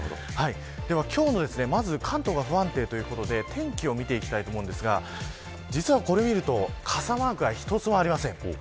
では、今日の関東が不安定ということで、天気を見ていきたいと思いますが実はこれを見ると傘マークが一つもありません。